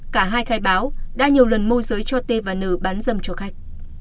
cả hai khai báo đã nhiều lần môi giới cho t và n bán dâm cho khách